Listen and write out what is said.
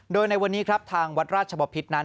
โดยในวันนี้ครับทางวัดราชบพิษนั้น